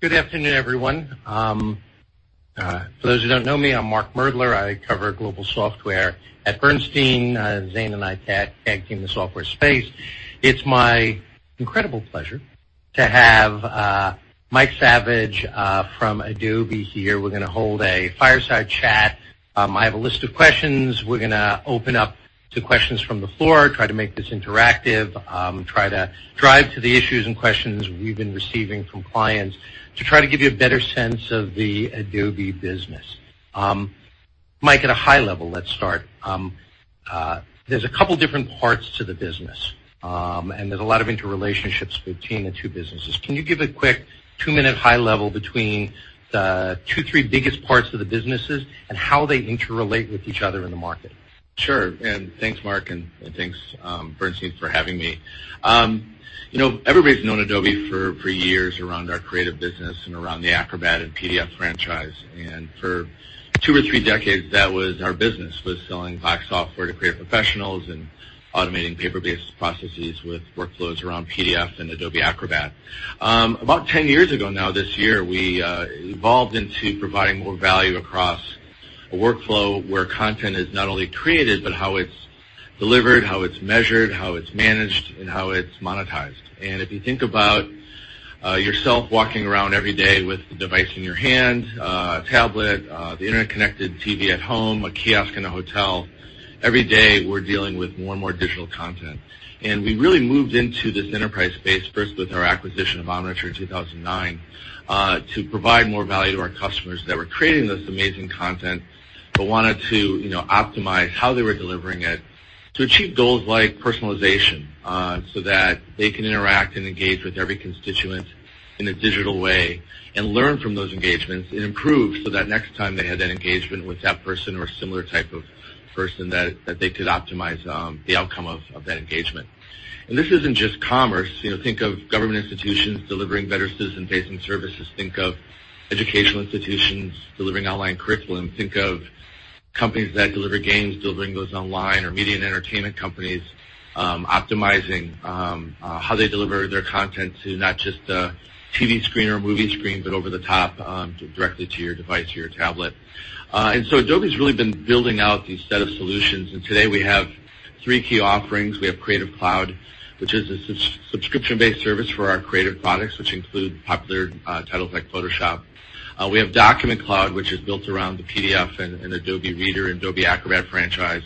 Good afternoon, everyone. For those who don't know me, I'm Mark Moerdler. I cover global software at Bernstein. Zane and I tag-team the software space. It's my incredible pleasure to have Mike Saviage from Adobe here. We're going to hold a fireside chat. I have a list of questions. We're going to open up to questions from the floor, try to make this interactive, try to drive to the issues and questions we've been receiving from clients to try to give you a better sense of the Adobe business. Mike, at a high level, let's start. There's a couple different parts to the business, and there's a lot of interrelationships between the two businesses. Can you give a quick two-minute high level between the two, three biggest parts of the businesses and how they interrelate with each other in the market? Sure. Thanks, Mark, and thanks, Bernstein, for having me. Everybody's known Adobe for years around our creative business and around the Acrobat and PDF franchise. For two or three decades, that was our business, was selling back software to creative professionals and automating paper-based processes with workflows around PDF and Adobe Acrobat. About 10 years ago now, this year, we evolved into providing more value across a workflow where content is not only created, but how it's delivered, how it's measured, how it's managed, and how it's monetized. If you think about yourself walking around every day with a device in your hand, a tablet, the internet-connected TV at home, a kiosk in a hotel, every day, we're dealing with more and more digital content. We really moved into this enterprise space first with our acquisition of Omniture in 2009, to provide more value to our customers that were creating this amazing content, but wanted to optimize how they were delivering it to achieve goals like personalization, so that they can interact and engage with every constituent in a digital way and learn from those engagements and improve, so that next time they had that engagement with that person or a similar type of person, that they could optimize the outcome of that engagement. This isn't just commerce. Think of government institutions delivering better citizen-facing services. Think of educational institutions delivering online curriculum. Think of companies that deliver games, Duolingo's online or media and entertainment companies optimizing how they deliver their content to not just a TV screen or movie screen, but over the top, directly to your device or your tablet. Adobe's really been building out these set of solutions, and today we have three key offerings. We have Creative Cloud, which is a subscription-based service for our creative products, which include popular titles like Photoshop. We have Document Cloud, which is built around the PDF and Adobe Reader, Adobe Acrobat franchise.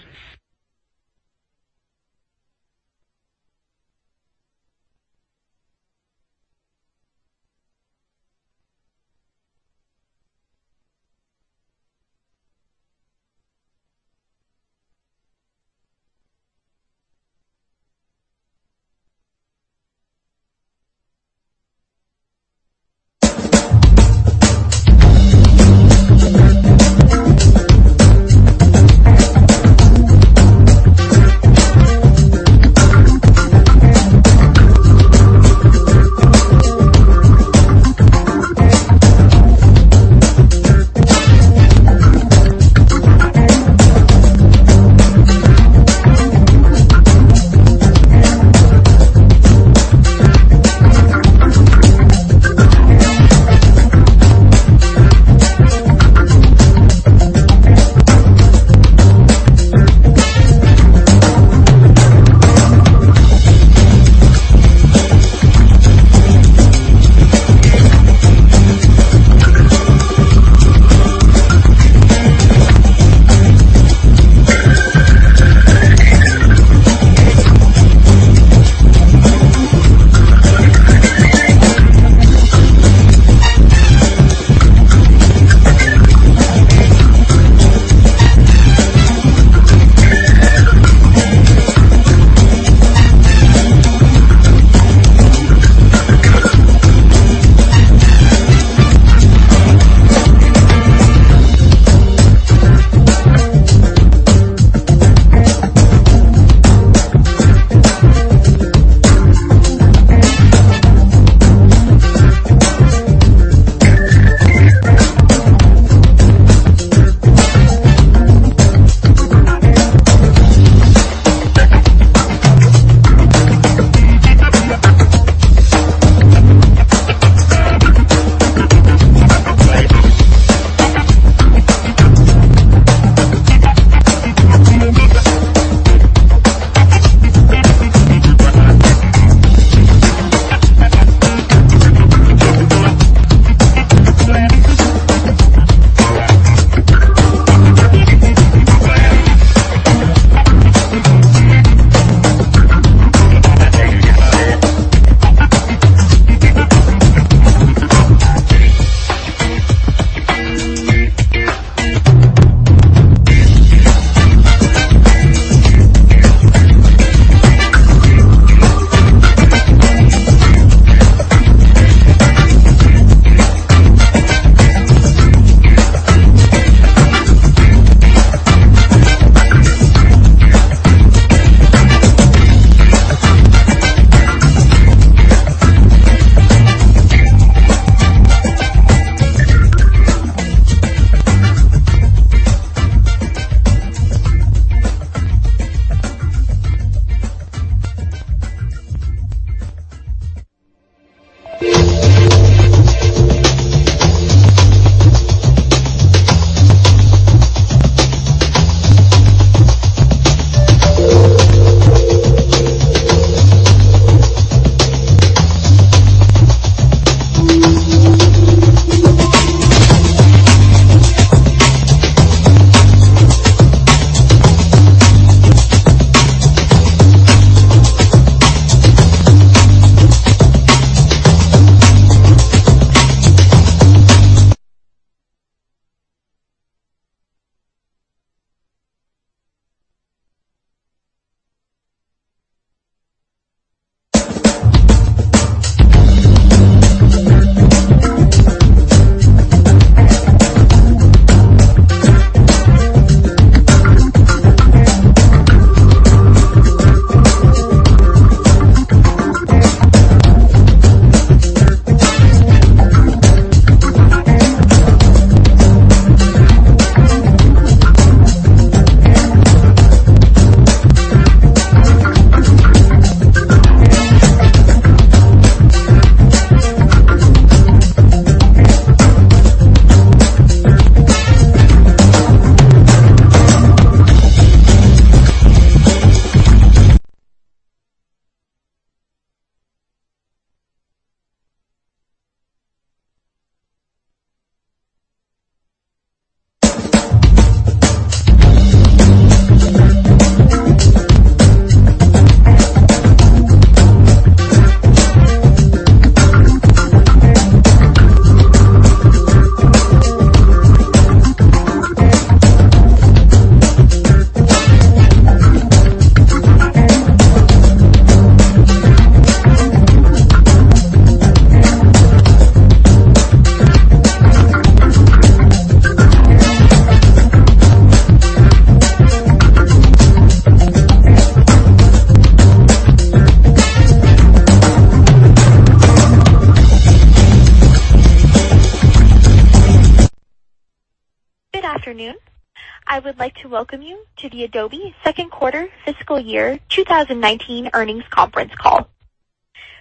Good afternoon. I would like to welcome you to the Adobe second quarter fiscal year 2019 earnings conference call.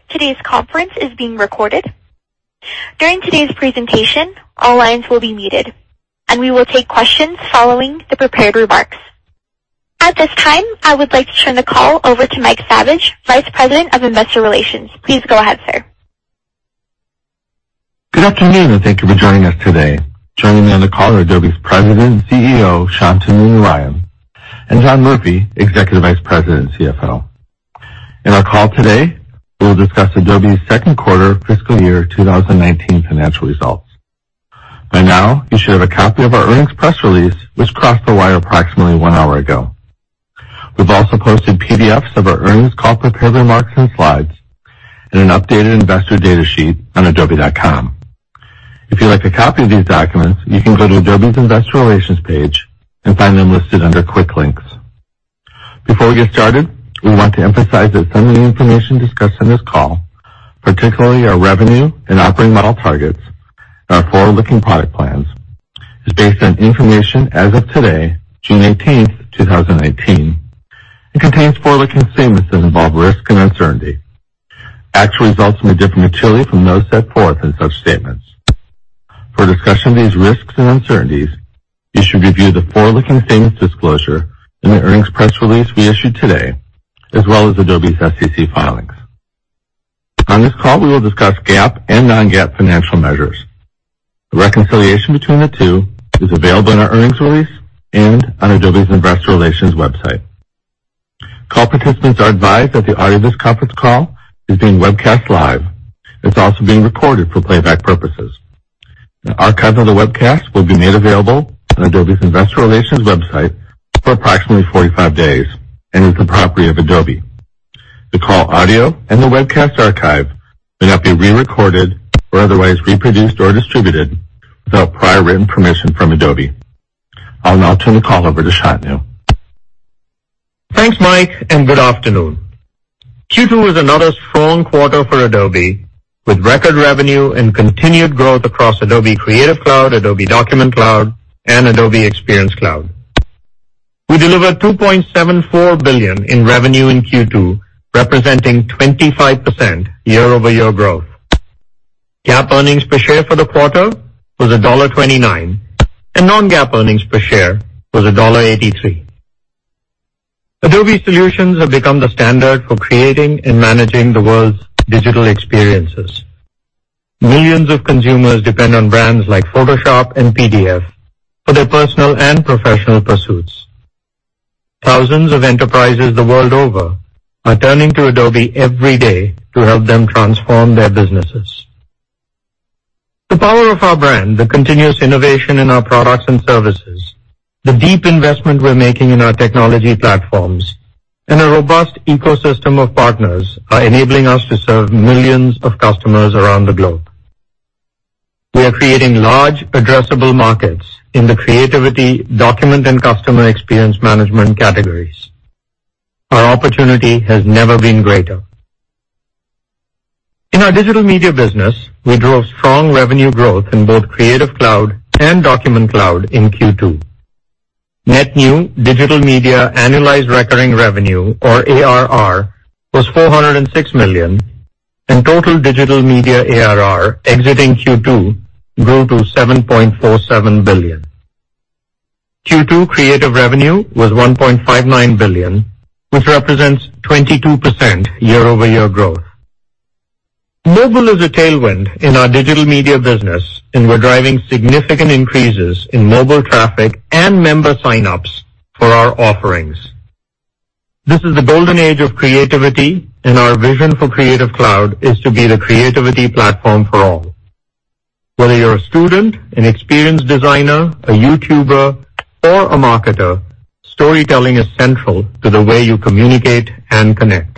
Today's conference is being recorded. During today's presentation, all lines will be muted, and we will take questions following the prepared remarks. At this time, I would like to turn the call over to Mike Saviage, Vice President of Investor Relations. Please go ahead, sir. Good afternoon. Thank you for joining us today. Joining me on the call are Adobe's President and CEO, Shantanu Narayen, and John Murphy, Executive Vice President and CFO. In our call today, we will discuss Adobe's second quarter fiscal year 2019 financial results. By now, you should have a copy of our earnings press release, which crossed the wire approximately one hour ago. We've also posted PDFs of our earnings call prepared remarks and slides and an updated investor data sheet on adobe.com. If you'd like a copy of these documents, you can go to Adobe's investor relations page and find them listed under quick links. Before we get started, we want to emphasize that some of the information discussed on this call, particularly our revenue and operating model targets and our forward-looking product plans, is based on information as of today, June 18th, 2019, and contains forward-looking statements that involve risk and uncertainty. Actual results may differ materially from those set forth in such statements. For a discussion of these risks and uncertainties, you should review the forward-looking statements disclosure in the earnings press release we issued today, as well as Adobe's SEC filings. On this call, we will discuss GAAP and non-GAAP financial measures. The reconciliation between the two is available in our earnings release and on Adobe's investor relations website. Call participants are advised that the audio of this conference call is being webcast live. It's also being recorded for playback purposes. An archive of the webcast will be made available on Adobe's investor relations website for approximately 45 days and is the property of Adobe. The call audio and the webcast archive may not be re-recorded or otherwise reproduced or distributed without prior written permission from Adobe. I'll now turn the call over to Shantanu. Thanks, Mike, and good afternoon. Q2 was another strong quarter for Adobe, with record revenue and continued growth across Adobe Creative Cloud, Adobe Document Cloud, and Adobe Experience Cloud. We delivered $2.74 billion in revenue in Q2, representing 25% year-over-year growth. GAAP earnings per share for the quarter was $1.29, and non-GAAP earnings per share was $1.83. Adobe solutions have become the standard for creating and managing the world's digital experiences. Millions of consumers depend on brands like Photoshop and PDF for their personal and professional pursuits. Thousands of enterprises the world over are turning to Adobe every day to help them transform their businesses. The power of our brand, the continuous innovation in our products and services, the deep investment we're making in our technology platforms, and a robust ecosystem of partners are enabling us to serve millions of customers around the globe. We are creating large addressable markets in the creativity document and customer experience management categories. Our opportunity has never been greater. In our Digital Media business, we drove strong revenue growth in both Creative Cloud and Document Cloud in Q2. Net new Digital Media annualized recurring revenue, or ARR, was $406 million, and total Digital Media ARR exiting Q2 grew to $7.47 billion. Q2 creative revenue was $1.59 billion, which represents 22% year-over-year growth. Mobile is a tailwind in our Digital Media business, and we're driving significant increases in mobile traffic and member sign-ups for our offerings. This is the golden age of creativity. Our vision for Creative Cloud is to be the creativity platform for all. Whether you're a student, an experience designer, a YouTuber, or a marketer, storytelling is central to the way you communicate and connect.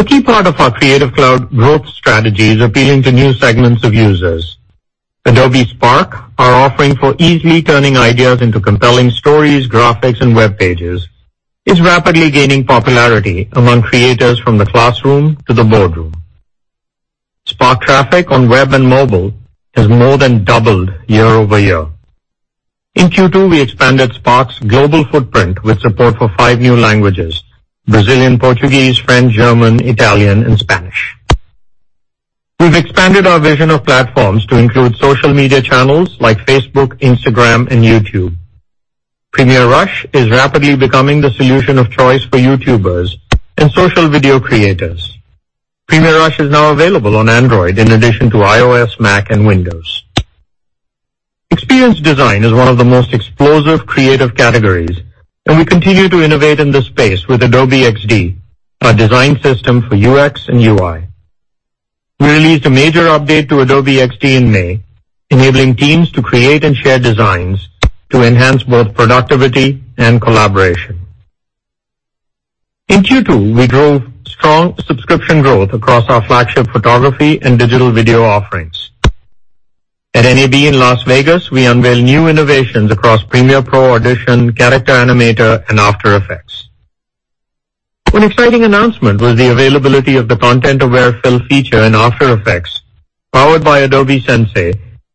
A key part of our Creative Cloud growth strategy is appealing to new segments of users. Adobe Spark, our offering for easily turning ideas into compelling stories, graphics, and web pages, is rapidly gaining popularity among creators from the classroom to the boardroom. Spark traffic on web and mobile has more than doubled year-over-year. In Q2, we expanded Spark's global footprint with support for five new languages: Brazilian Portuguese, French, German, Italian, and Spanish. We've expanded our vision of platforms to include social media channels like Facebook, Instagram, and YouTube. Premiere Rush is rapidly becoming the solution of choice for YouTubers and social video creators. Premiere Rush is now available on Android in addition to iOS, Mac, and Windows. Experience design is one of the most explosive creative categories. We continue to innovate in this space with Adobe XD, our design system for UX and UI. We released a major update to Adobe XD in May, enabling teams to create and share designs to enhance both productivity and collaboration. In Q2, we drove strong subscription growth across our flagship photography and digital video offerings. At NAB in Las Vegas, we unveiled new innovations across Premiere Pro, Audition, Character Animator, and After Effects. One exciting announcement was the availability of the Content-Aware Fill feature in After Effects, powered by Adobe Sensei,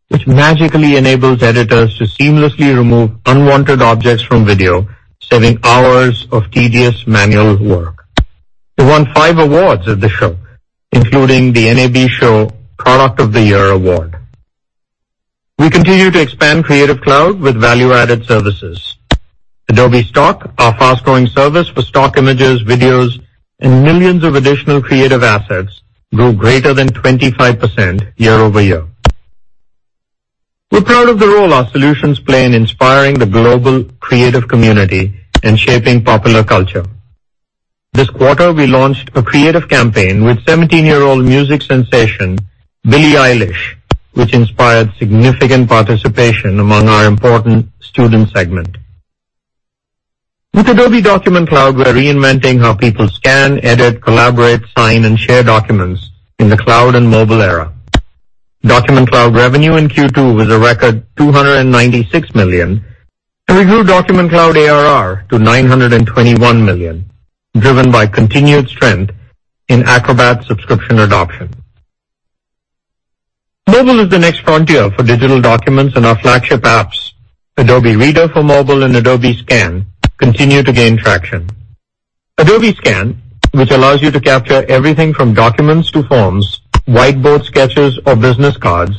which magically enables editors to seamlessly remove unwanted objects from video, saving hours of tedious manual work. We won five awards at the show, including the NAB Show Product of the Year Award. We continue to expand Creative Cloud with value-added services. Adobe Stock, our fast-growing service for stock images, videos, and millions of additional creative assets, grew greater than 25% year-over-year. We're proud of the role our solutions play in inspiring the global creative community and shaping popular culture. This quarter, we launched a creative campaign with 17-year-old music sensation Billie Eilish, which inspired significant participation among our important student segment. With Adobe Document Cloud, we're reinventing how people scan, edit, collaborate, sign, and share documents in the cloud and mobile era. Document Cloud revenue in Q2 was a record $296 million, and we grew Document Cloud ARR to $921 million, driven by continued strength in Acrobat subscription adoption. Mobile is the next frontier for digital documents, and our flagship apps, Adobe Reader for mobile and Adobe Scan, continue to gain traction. Adobe Scan, which allows you to capture everything from documents to forms, whiteboard sketches or business cards,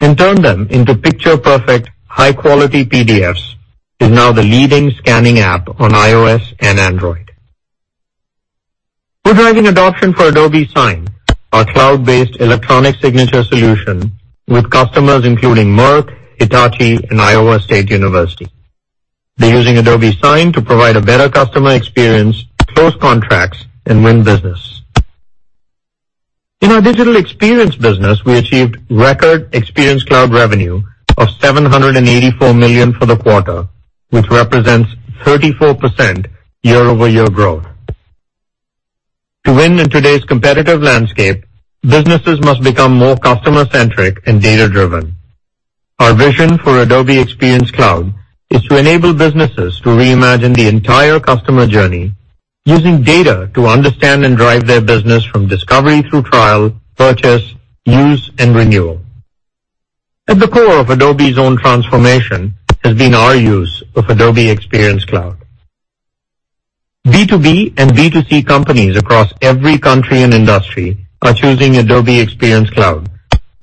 and turn them into picture-perfect, high-quality PDFs, is now the leading scanning app on iOS and Android. We're driving adoption for Adobe Sign, our cloud-based electronic signature solution with customers including Merck, Hitachi, and Iowa State University. They're using Adobe Sign to provide a better customer experience, close contracts, and win business. In our digital experience business, we achieved record Experience Cloud revenue of $784 million for the quarter, which represents 34% year-over-year growth. To win in today's competitive landscape, businesses must become more customer-centric and data-driven. Our vision for Adobe Experience Cloud is to enable businesses to reimagine the entire customer journey using data to understand and drive their business from discovery through trial, purchase, use, and renewal. At the core of Adobe's own transformation has been our use of Adobe Experience Cloud. B2B and B2C companies across every country and industry are choosing Adobe Experience Cloud,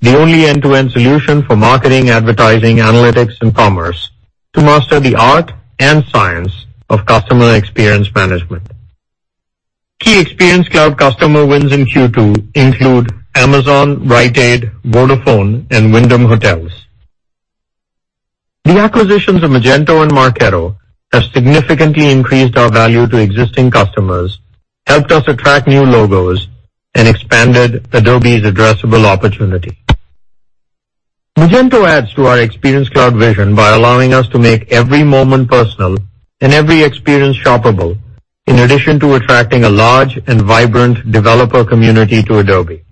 the only end-to-end solution for marketing, advertising, analytics, and commerce, to master the art and science of customer experience management. Key Experience Cloud customer wins in Q2 include Amazon, Rite Aid, Vodafone, and Wyndham Hotels. The acquisitions of Magento and Marketo have significantly increased our value to existing customers, helped us attract new logos, and expanded Adobe's addressable opportunity. Magento adds to our Experience Cloud vision by allowing us to make every moment personal and every experience shoppable, in addition to attracting a large and vibrant developer community to Adobe.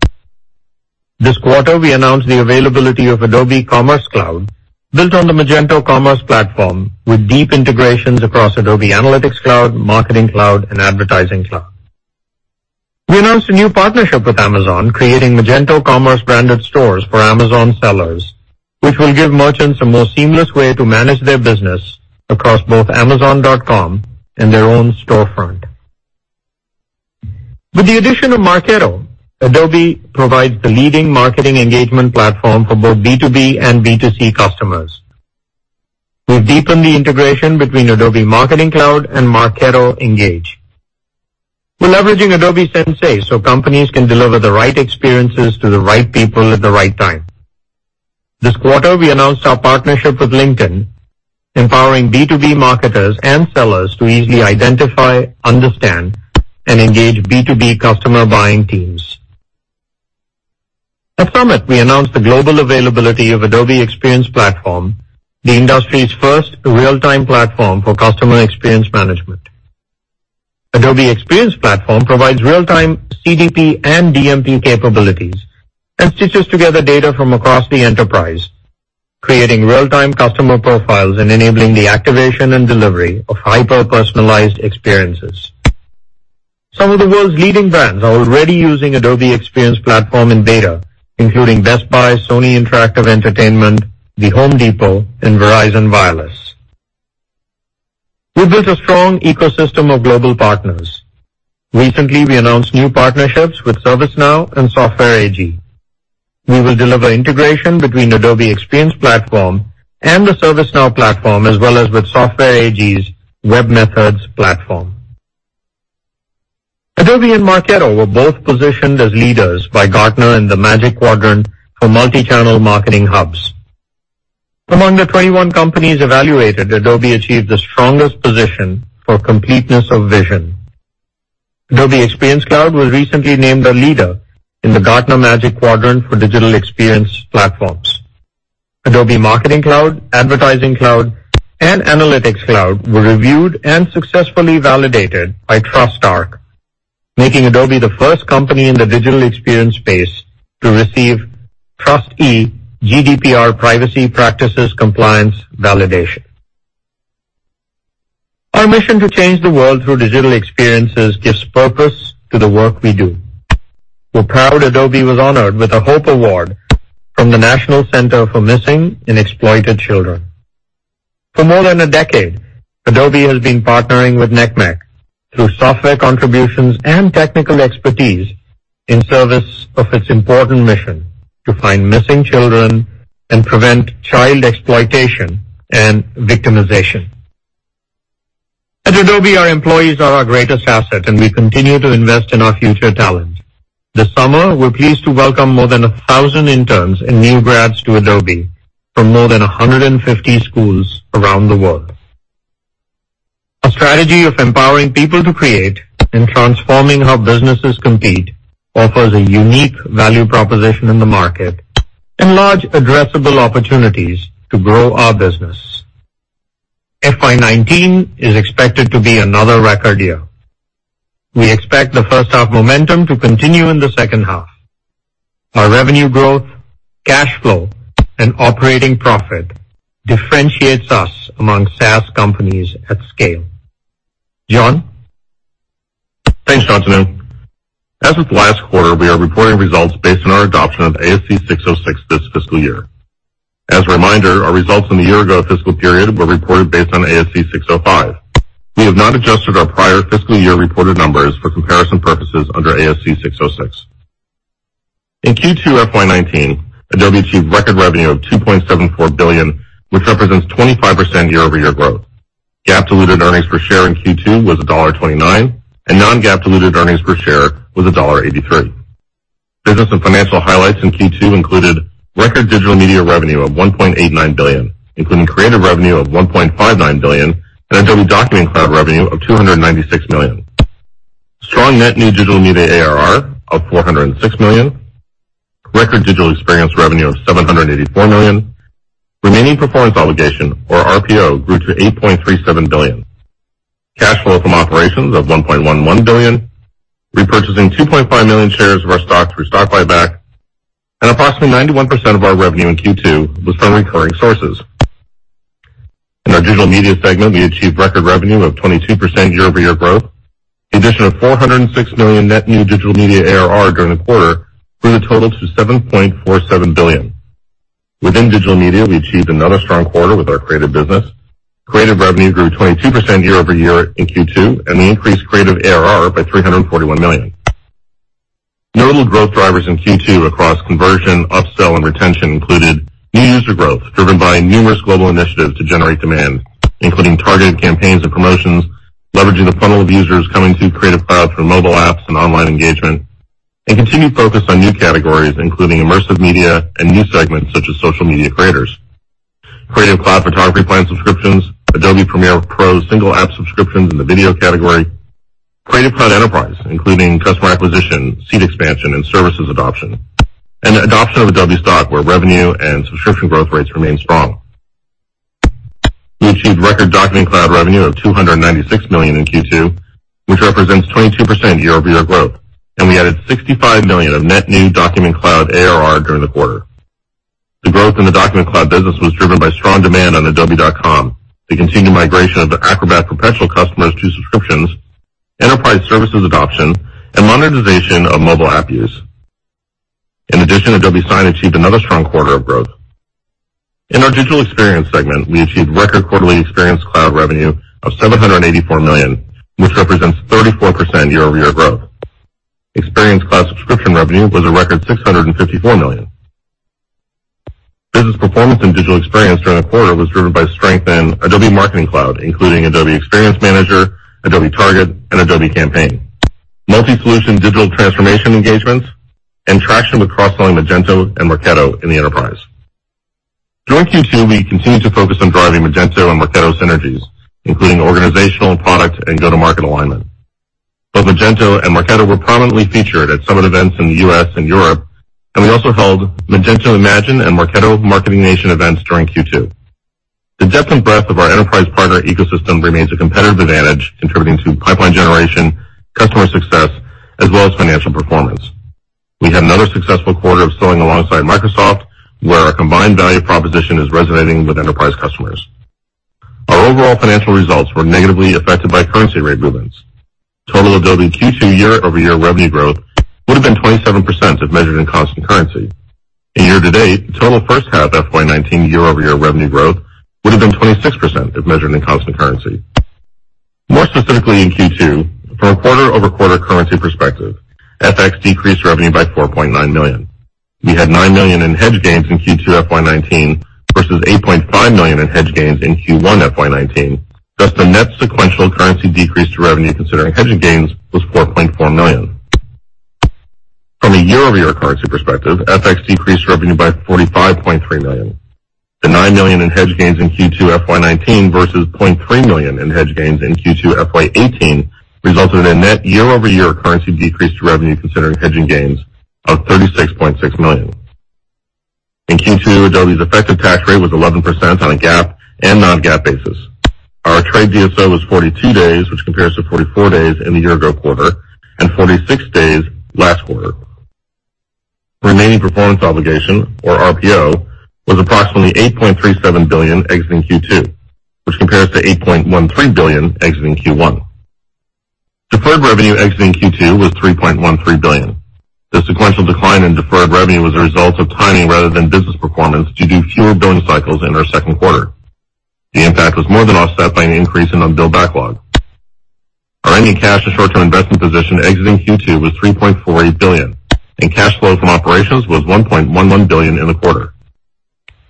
This quarter, we announced the availability of Adobe Commerce Cloud, built on the Magento Commerce platform, with deep integrations across Adobe Analytics Cloud, Marketing Cloud, and Advertising Cloud. We announced a new partnership with Amazon, creating Magento Commerce-branded stores for Amazon sellers, which will give merchants a more seamless way to manage their business across both Amazon.com and their own storefront. With the addition of Marketo, Adobe provides the leading marketing engagement platform for both B2B and B2C customers. We've deepened the integration between Adobe Marketing Cloud and Marketo Engage. We're leveraging Adobe Sensei so companies can deliver the right experiences to the right people at the right time. This quarter, we announced our partnership with LinkedIn, empowering B2B marketers and sellers to easily identify, understand, and engage B2B customer buying teams. At Summit, we announced the global availability of Adobe Experience Platform, the industry's first real-time platform for customer experience management. Adobe Experience Platform provides real-time CDP and DMP capabilities and stitches together data from across the enterprise, creating real-time customer profiles and enabling the activation and delivery of hyper-personalized experiences. Some of the world's leading brands are already using Adobe Experience Platform in beta, including Best Buy, Sony Interactive Entertainment, The Home Depot, and Verizon Wireless. We built a strong ecosystem of global partners. Recently, we announced new partnerships with ServiceNow and Software AG. We will deliver integration between Adobe Experience Platform and the ServiceNow platform, as well as with Software AG's webMethods platform. Adobe and Marketo were both positioned as leaders by Gartner in the Magic Quadrant for Multichannel Marketing Hubs. Among the 21 companies evaluated, Adobe achieved the strongest position for completeness of vision. Adobe Experience Cloud was recently named a leader in the Gartner Magic Quadrant for Digital Experience Platforms. Adobe Marketing Cloud, Advertising Cloud, and Analytics Cloud were reviewed and successfully validated by TrustArc, making Adobe the first company in the digital experience space to receive TRUSTe GDPR Privacy Practices Compliance validation. Our mission to change the world through digital experiences gives purpose to the work we do. We're proud Adobe was honored with a Hope Award from the National Center for Missing and Exploited Children. For more than a decade, Adobe has been partnering with NCMEC through software contributions and technical expertise in service of its important mission to find missing children and prevent child exploitation and victimization. At Adobe, our employees are our greatest asset, and we continue to invest in our future talent. This summer, we're pleased to welcome more than 1,000 interns and new grads to Adobe from more than 150 schools around the world. A strategy of empowering people to create and transforming how businesses compete offers a unique value proposition in the market and large addressable opportunities to grow our business. FY 2019 is expected to be another record year. We expect the first half momentum to continue in the second half. Our revenue growth, cash flow, and operating profit differentiates us among SaaS companies at scale. John? Thanks, Shantanu. As with last quarter, we are reporting results based on our adoption of ASC 606 this fiscal year. As a reminder, our results in the year-ago fiscal period were reported based on ASC 605. We have not adjusted our prior fiscal year reported numbers for comparison purposes under ASC 606. In Q2 FY 2019, Adobe achieved record revenue of $2.74 billion, which represents 25% year-over-year growth. GAAP diluted earnings per share in Q2 was $1.29, and non-GAAP diluted earnings per share was $1.83. Business and financial highlights in Q2 included record Digital Media revenue of $1.89 billion, including Creative revenue of $1.59 billion and Adobe Document Cloud revenue of $296 million. Strong net new Digital Media ARR of $406 million. Record Digital Experience revenue of $784 million. Remaining performance obligation, or RPO, grew to $8.37 billion. Cash flow from operations of $1.11 billion. Repurchasing 2.5 million shares of our stock through stock buyback. Approximately 91% of our revenue in Q2 was from recurring sources. In our Digital Media segment, we achieved record revenue of 22% year-over-year growth. The addition of 406 million net new Digital Media ARR during the quarter grew the total to $7.47 billion. Within Digital Media, we achieved another strong quarter with our Creative business. Creative revenue grew 22% year-over-year in Q2, and we increased Creative ARR by $341 million. Notable growth drivers in Q2 across conversion, upsell, and retention included new user growth driven by numerous global initiatives to generate demand, including targeted campaigns and promotions, leveraging the funnel of users coming to Creative Cloud through mobile apps and online engagement, and continued focus on new categories, including immersive media and new segments, such as social media creators. Creative Cloud Photography Plan subscriptions, Adobe Premiere Pro single app subscriptions in the Video category, Creative Cloud Enterprise, including customer acquisition, seat expansion, and services adoption, and adoption of Adobe Stock, where revenue and subscription growth rates remain strong. We achieved record Document Cloud revenue of $296 million in Q2, which represents 22% year-over-year growth. We added $65 million of net new Document Cloud ARR during the quarter. The growth in the Document Cloud business was driven by strong demand on adobe.com, the continued migration of Acrobat perpetual customers to subscriptions, enterprise services adoption, and monetization of mobile app use. In addition, Adobe Sign achieved another strong quarter of growth. In our Digital Experience segment, we achieved record quarterly Experience Cloud revenue of $784 million, which represents 34% year-over-year growth. Experience Cloud subscription revenue was a record $654 million. Business performance in Digital Experience during the quarter was driven by strength in Adobe Marketing Cloud, including Adobe Experience Manager, Adobe Target, and Adobe Campaign, multi-solution digital transformation engagements, and traction with cross-selling Magento and Marketo in the enterprise. During Q2, we continued to focus on driving Magento and Marketo synergies, including organizational, product, and go-to-market alignment. Both Magento and Marketo were prominently featured at summit events in the U.S. and Europe, and we also held Magento Imagine and Marketo Marketing Nation events during Q2. The depth and breadth of our enterprise partner ecosystem remains a competitive advantage contributing to pipeline generation, customer success, as well as financial performance. We had another successful quarter of selling alongside Microsoft, where our combined value proposition is resonating with enterprise customers. Our overall financial results were negatively affected by currency rate movements. Total Adobe Q2 year-over-year revenue growth would have been 27% if measured in constant currency. Year-to-date, total first half FY 2019 year-over-year revenue growth would have been 26% if measured in constant currency. More specifically, in Q2, from a quarter-over-quarter currency perspective, FX decreased revenue by $4.9 million. We had $9 million in hedge gains in Q2 FY 2019 versus $8.5 million in hedge gains in Q1 FY 2019, thus the net sequential currency decrease to revenue considering hedging gains was $4.4 million. From a year-over-year currency perspective, FX decreased revenue by $45.3 million. The $9 million in hedge gains in Q2 FY 2019 versus $0.3 million in hedge gains in Q2 FY 2018 resulted in a net year-over-year currency decrease to revenue considering hedging gains of $36.6 million. In Q2, Adobe's effective tax rate was 11% on a GAAP and non-GAAP basis. Our trade DSO was 42 days, which compares to 44 days in the year-ago quarter and 46 days last quarter. Remaining performance obligation, or RPO, was approximately $8.37 billion exiting Q2, which compares to $8.13 billion exiting Q1. Deferred revenue exiting Q2 was $3.13 billion. The sequential decline in deferred revenue was a result of timing rather than business performance due to fewer billing cycles in our second quarter. The impact was more than offset by an increase in unbilled backlog. Our ending cash or short-term investment position exiting Q2 was $3.48 billion, and cash flow from operations was $1.11 billion in the quarter.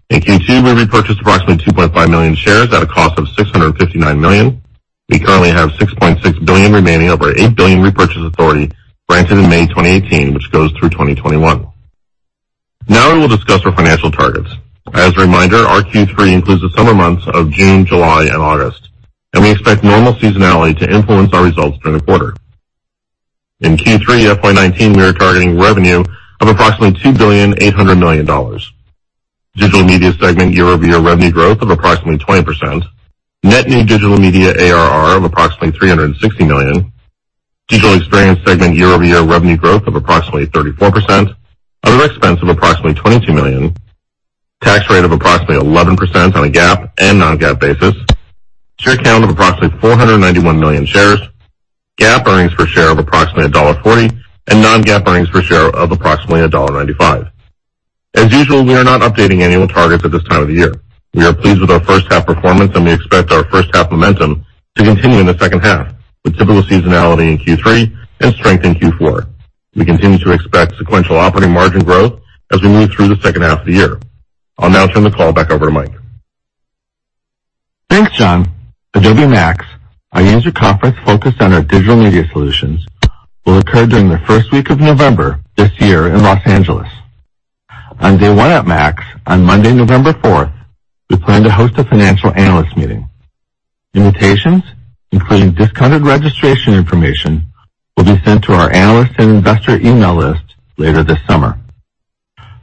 In Q2, we repurchased approximately 2.5 million shares at a cost of $659 million. We currently have $6.6 billion remaining of our $8 billion repurchase authority granted in May 2018, which goes through 2021. We will discuss our financial targets. As a reminder, our Q3 includes the summer months of June, July, and August. We expect normal seasonality to influence our results during the quarter. In Q3 FY 2019, we are targeting revenue of approximately $2.8 billion. Digital Media segment year-over-year revenue growth of approximately 20%, net new Digital Media ARR of approximately $360 million, Digital Experience segment year-over-year revenue growth of approximately 34%, other expense of approximately $22 million, tax rate of approximately 11% on a GAAP and non-GAAP basis, share count of approximately 491 million shares, GAAP earnings per share of approximately $1.40, and non-GAAP earnings per share of approximately $1.95. As usual, we are not updating annual targets at this time of the year. We are pleased with our first half performance. We expect our first half momentum to continue in the second half, with typical seasonality in Q3 and strength in Q4. We continue to expect sequential operating margin growth as we move through the second half of the year. I'll now turn the call back over to Mike. Thanks, John. Adobe MAX, our user conference focused on our digital media solutions, will occur during the first week of November this year in L.A. On day one at MAX, on Monday, November 4th, we plan to host a financial analyst meeting. Invitations, including discounted registration information, will be sent to our analyst and investor email list later this summer.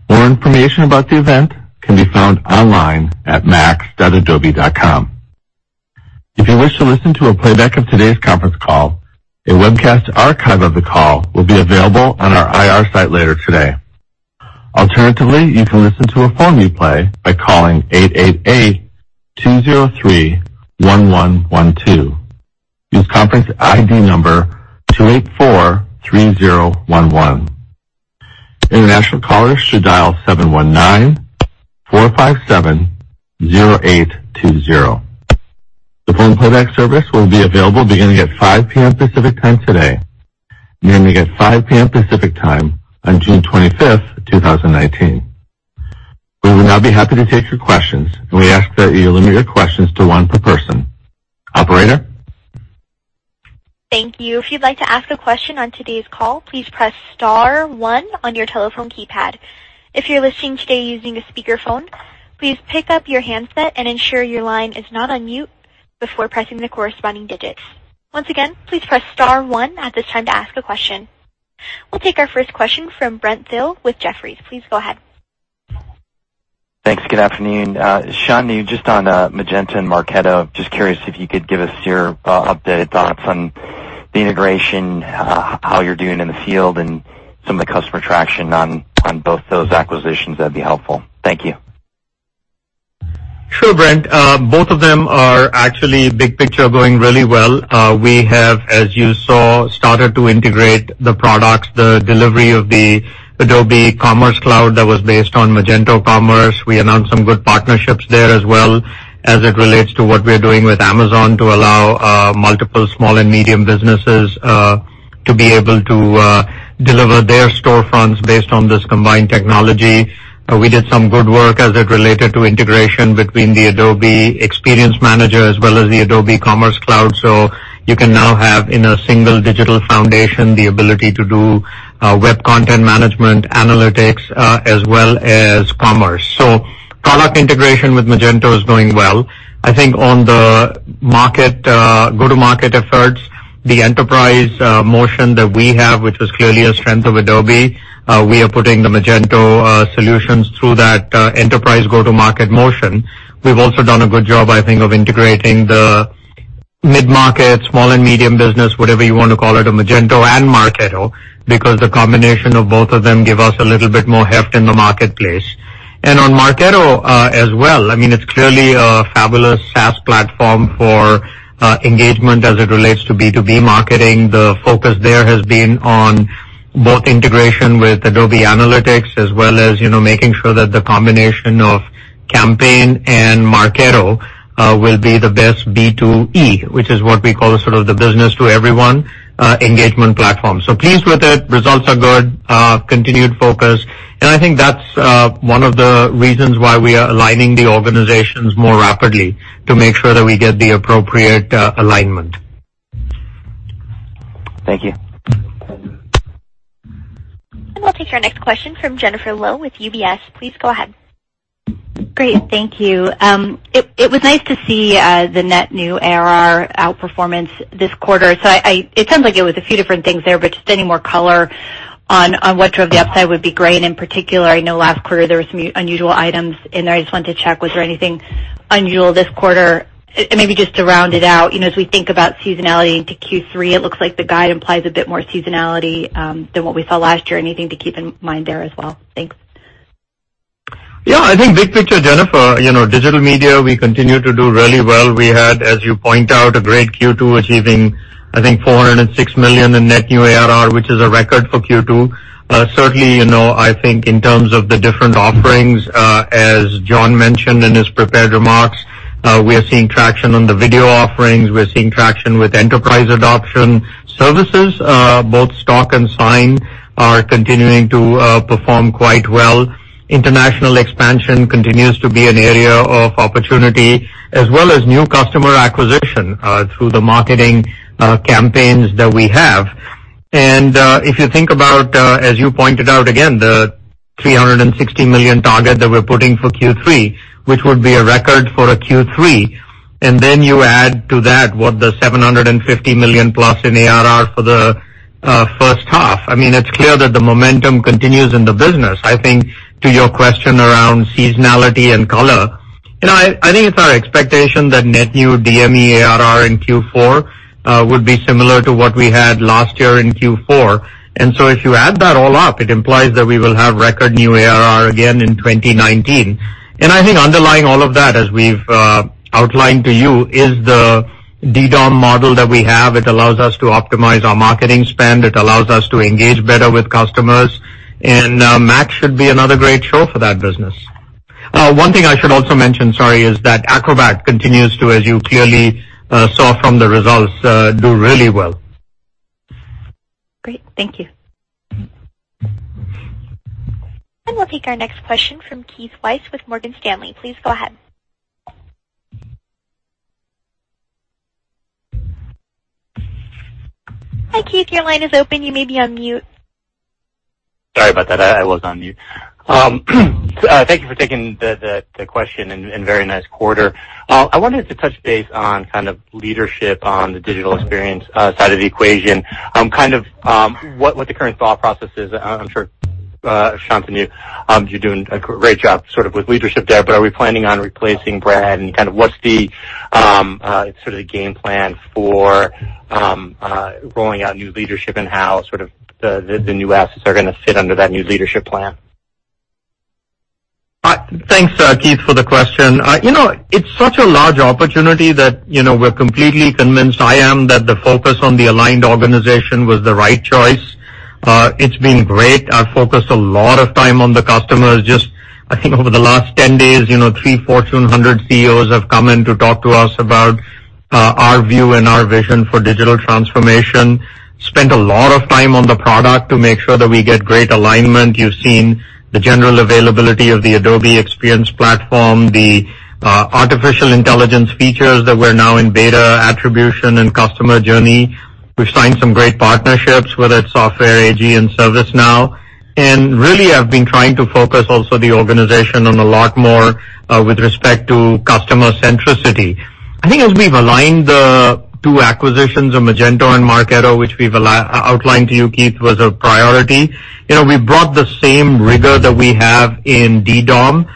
More information about the event can be found online at max.adobe.com. If you wish to listen to a playback of today's conference call, a webcast archive of the call will be available on our IR site later today. Alternatively, you can listen to a phone replay by calling 888-203-1112. Use conference ID number 2843011. International callers should dial 719-457-0820. The phone playback service will be available beginning at 5:00 P.M. Pacific Time today and ending at 5:00 P.M. Pacific Time on June 25th, 2019. We will now be happy to take your questions, and we ask that you limit your questions to one per person. Operator? Thank you. If you'd like to ask a question on today's call, please press *1 on your telephone keypad. If you're listening today using a speakerphone, please pick up your handset and ensure your line is not on mute before pressing the corresponding digits. Once again, please press *1 at this time to ask a question. We'll take our first question from Brent Thill with Jefferies. Please go ahead. Thanks. Good afternoon. Shantanu, just on Magento and Marketo, just curious if you could give us your updated thoughts on the integration, how you're doing in the field, and some of the customer traction on both those acquisitions, that'd be helpful. Thank you. Sure, Brent. Both of them are actually big picture going really well. We have, as you saw, started to integrate the products, the delivery of the Adobe Commerce Cloud that was based on Magento Commerce. We announced some good partnerships there as well as it relates to what we are doing with Amazon to allow multiple small and medium businesses to be able to deliver their storefronts based on this combined technology. We did some good work as it related to integration between the Adobe Experience Manager as well as the Adobe Commerce Cloud. You can now have, in a single digital foundation, the ability to do web content management, analytics, as well as commerce. Product integration with Magento is going well. I think on the go-to-market efforts, the enterprise motion that we have, which was clearly a strength of Adobe, we are putting the Magento solutions through that enterprise go-to-market motion. We've also done a good job, I think, of integrating the mid-market, small and medium business, whatever you want to call it, a Magento and Marketo, because the combination of both of them give us a little bit more heft in the marketplace. On Marketo as well, it's clearly a fabulous SaaS platform for engagement as it relates to B2B marketing. The focus there has been on both integration with Adobe Analytics, as well as making sure that the combination of Campaign and Marketo will be the best B2E, which is what we call the business to everyone engagement platform. Pleased with it. Results are good, continued focus, I think that's one of the reasons why we are aligning the organizations more rapidly to make sure that we get the appropriate alignment. Thank you. We'll take our next question from Jennifer Lowe with UBS. Please go ahead. Great. Thank you. It was nice to see the net new ARR outperformance this quarter. It sounds like it was a few different things there, but just any more color on what drove the upside would be great. In particular, I know last quarter there was some unusual items in there. I just wanted to check, was there anything unusual this quarter? Maybe just to round it out, as we think about seasonality into Q3, it looks like the guide implies a bit more seasonality than what we saw last year. Anything to keep in mind there as well? Thanks. Yeah. I think big picture, Jennifer, Digital Media, we continue to do really well. We had, as you point out, a great Q2 achieving, I think, $406 million in net new ARR, which is a record for Q2. Certainly, I think in terms of the different offerings, as John mentioned in his prepared remarks, we are seeing traction on the video offerings. We're seeing traction with enterprise adoption services. Both Adobe Stock and Adobe Sign are continuing to perform quite well. International expansion continues to be an area of opportunity as well as new customer acquisition through the marketing campaigns that we have. If you think about, as you pointed out again, the $360 million target that we're putting for Q3, which would be a record for a Q3. Then you add to that what the $750 million plus in ARR for the first half. It's clear that the momentum continues in the business. I think to your question around seasonality and color, I think it's our expectation that net new DME ARR in Q4 will be similar to what we had last year in Q4. If you add that all up, it implies that we will have record new ARR again in 2019. I think underlying all of that, as we've outlined to you, is the DDOM model that we have. It allows us to optimize our marketing spend. It allows us to engage better with customers. Adobe MAX should be another great show for that business. One thing I should also mention, sorry, is that Acrobat continues to, as you clearly saw from the results, do really well. Great. Thank you. We'll take our next question from Keith Weiss with Morgan Stanley. Please go ahead. Hi, Keith, your line is open. You may be on mute. Sorry about that. I was on mute. Thank you for taking the question, and very nice quarter. I wanted to touch base on kind of leadership on the digital experience side of the equation. What the current thought process is. I'm sure, Shantanu, you're doing a great job sort of with leadership there, but are we planning on replacing Brad and kind of what's the game plan for rolling out new leadership and how sort of the new assets are going to fit under that new leadership plan? Thanks, Keith, for the question. It's such a large opportunity that we're completely convinced, I am, that the focus on the aligned organization was the right choice. It's been great. I've focused a lot of time on the customers just I think over the last 10 days, three Fortune 100 CEOs have come in to talk to us about our view and our vision for digital transformation. Spent a lot of time on the product to make sure that we get great alignment. You've seen the general availability of the Adobe Experience Platform, the artificial intelligence features that we're now in beta attribution and customer journey. We've signed some great partnerships, whether it's Software AG and ServiceNow. Really, I've been trying to focus also the organization on a lot more with respect to customer centricity. I think as we've aligned the two acquisitions of Magento and Marketo, which we've outlined to you, Keith, was a priority. We brought the same rigor that we have in DDOM,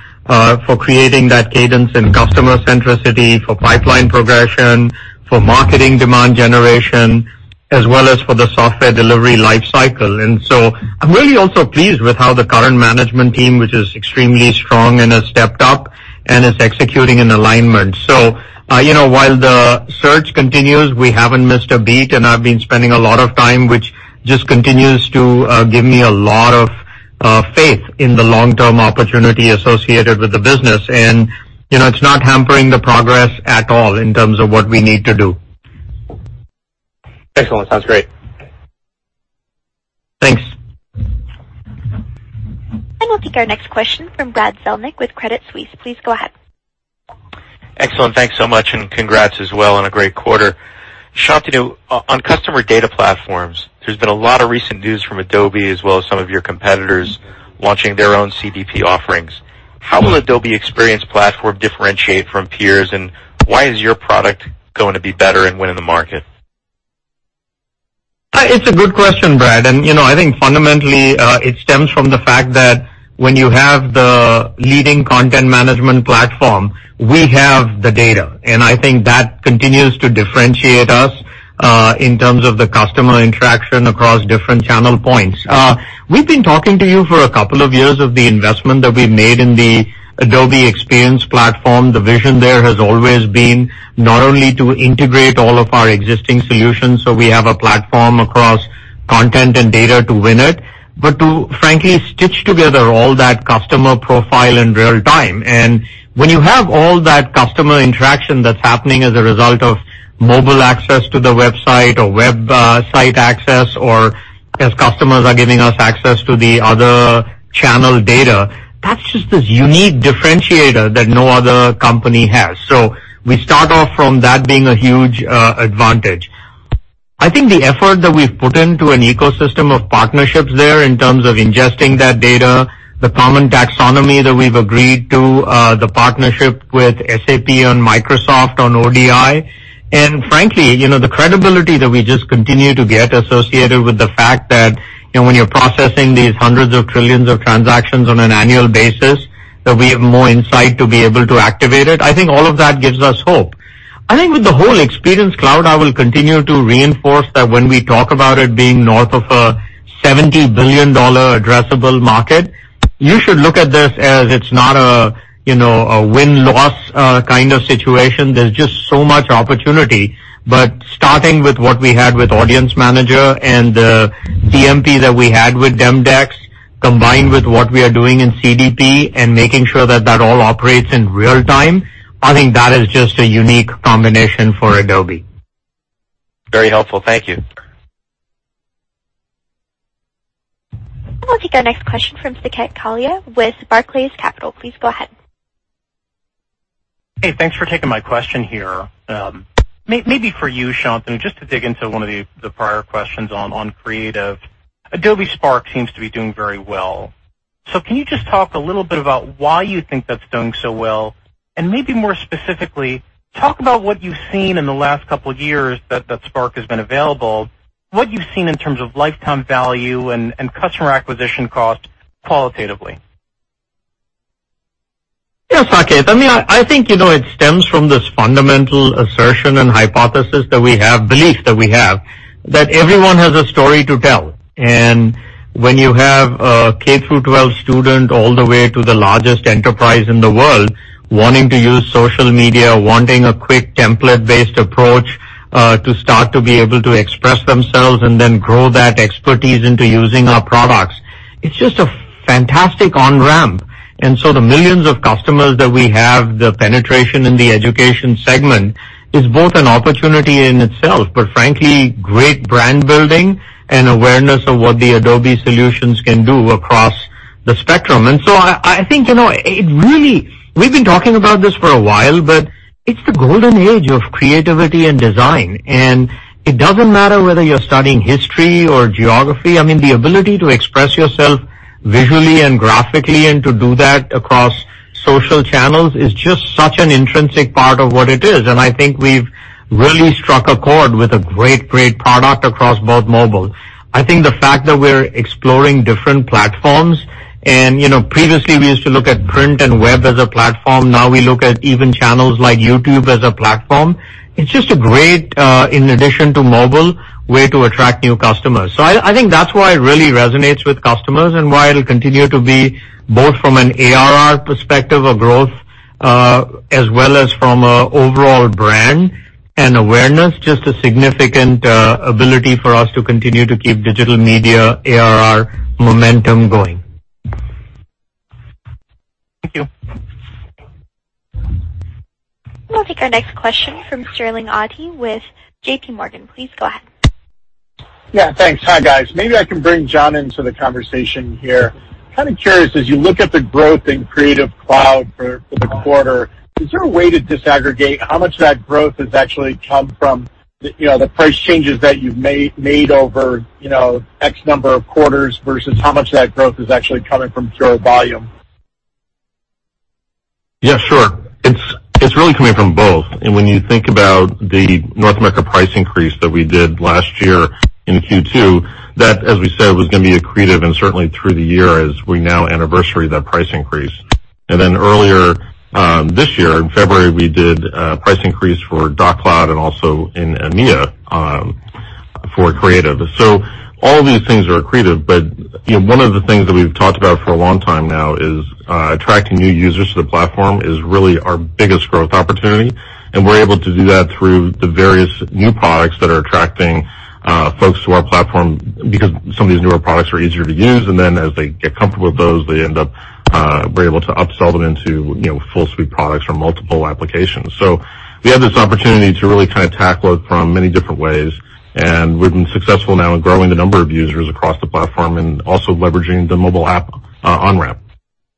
for creating that cadence in customer centricity, for pipeline progression, for marketing demand generation, as well as for the software delivery life cycle. I'm really also pleased with how the current management team, which is extremely strong and has stepped up, and is executing in alignment. While the search continues, we haven't missed a beat, and I've been spending a lot of time, which just continues to give me a lot of faith in the long-term opportunity associated with the business. It's not hampering the progress at all in terms of what we need to do. Excellent. Sounds great. Thanks. We'll take our next question from Brad Zelnick with Credit Suisse. Please go ahead. Excellent. Thanks so much, congrats as well on a great quarter. Shantanu, on customer data platforms, there's been a lot of recent news from Adobe, as well as some of your competitors launching their own CDP offerings. How will Adobe Experience Platform differentiate from peers, and why is your product going to be better and win in the market? It's a good question, Brad. I think fundamentally, it stems from the fact that when you have the leading content management platform, we have the data. I think that continues to differentiate us, in terms of the customer interaction across different channel points. We've been talking to you for a couple of years of the investment that we've made in the Adobe Experience Platform. The vision there has always been not only to integrate all of our existing solutions, so we have a platform across content and data to win it, but to frankly stitch together all that customer profile in real-time. When you have all that customer interaction that's happening as a result of mobile access to the website or website access or as customers are giving us access to the other channel data, that's just this unique differentiator that no other company has. We start off from that being a huge advantage. I think the effort that we've put into an ecosystem of partnerships there in terms of ingesting that data, the common taxonomy that we've agreed to, the partnership with SAP on Microsoft on ODI, and frankly, the credibility that we just continue to get associated with the fact that when you're processing these hundreds of trillions of transactions on an annual basis, that we have more insight to be able to activate it. I think all of that gives us hope. I think with the whole Adobe Experience Cloud, I will continue to reinforce that when we talk about it being north of a $70 billion addressable market, you should look at this as it's not a win-loss kind of situation. There's just so much opportunity. Starting with what we had with Adobe Audience Manager and the DMP that we had with Demdex, combined with what we are doing in CDP and making sure that that all operates in real-time, I think that is just a unique combination for Adobe. Very helpful. Thank you. We'll take our next question from Saket Kalia with Barclays Capital. Please go ahead. Hey, thanks for taking my question here. Maybe for you, Shantanu, just to dig into one of the prior questions on creative. Adobe Spark seems to be doing very well. Can you just talk a little bit about why you think that's doing so well? Maybe more specifically, talk about what you've seen in the last couple of years that Spark has been available, what you've seen in terms of lifetime value and customer acquisition cost qualitatively. Yes, Saket. I think it stems from this fundamental assertion and hypothesis that we have, belief that we have, that everyone has a story to tell. When you have a K through 12 student all the way to the largest enterprise in the world wanting to use social media, wanting a quick template-based approach, to start to be able to express themselves and then grow that expertise into using our products, it's just a fantastic on-ramp. The millions of customers that we have, the penetration in the education segment, is both an opportunity in itself, but frankly, great brand building and awareness of what the Adobe solutions can do across the spectrum. I think we've been talking about this for a while, but it's the golden age of creativity and design, and it doesn't matter whether you're studying history or geography. I mean, the ability to express yourself visually and graphically and to do that across social channels is just such an intrinsic part of what it is. I think we've really struck a chord with a great product across both mobile. I think the fact that we're exploring different platforms and previously we used to look at print and web as a platform. Now we look at even channels like YouTube as a platform. It's just a great, in addition to mobile, way to attract new customers. I think that's why it really resonates with customers and why it'll continue to be both from an ARR perspective of growth, as well as from an overall brand and awareness, just a significant ability for us to continue to keep Digital Media ARR momentum going. Thank you. We'll take our next question from Sterling Auty with JPMorgan. Please go ahead. Yeah, thanks. Hi, guys. Maybe I can bring John into the conversation here. Kind of curious, as you look at the growth in Creative Cloud for the quarter, is there a way to disaggregate how much of that growth has actually come from the price changes that you've made over X number of quarters versus how much of that growth is actually coming from pure volume? Yeah, sure. It's really coming from both. When you think about the North America price increase that we did last year in Q2, that, as we said, was going to be accretive, and certainly through the year as we now anniversary that price increase. Earlier this year, in February, we did a price increase for Doc Cloud and also in EMEA for Creative. All these things are accretive, one of the things that we've talked about for a long time now is attracting new users to the platform is really our biggest growth opportunity, and we're able to do that through the various new products that are attracting folks to our platform because some of these newer products are easier to use. Then as they get comfortable with those, we're able to upsell them into full suite products or multiple applications. We have this opportunity to really kind of tackle it from many different ways. We've been successful now in growing the number of users across the platform and also leveraging the mobile app on-ramp.